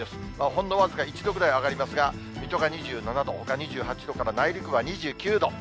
ほんの僅か１度ぐらい上がりますが、水戸が２７度、ほか２８度から内陸部は２９度。